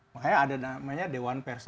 makanya ada namanya dewan pers